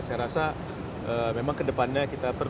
saya rasa memang ke depannya kita perlu